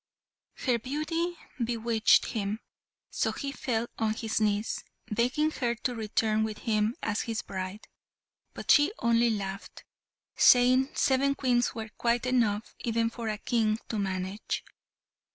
Her beauty bewitched him, so he fell on his knees, begging her to return with him as his bride; but she only laughed, saying seven Queens were quite enough even for a King to manage.